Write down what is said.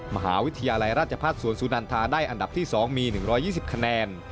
มหาวิทยาลัยราชพัฒน์สวนสุนันทาได้อันดับที่๒มี๑๒๐คะแนน